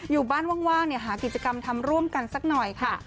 อยู่บ้านว่างหากิจกรรมทำร่วมกันสักหน่อยค่ะ